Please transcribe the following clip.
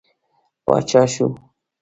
پاچا شو.